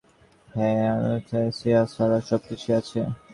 হ্যাঁ, অ্যানাসথেসিয়া ছাড়া সবকিছুই আছে।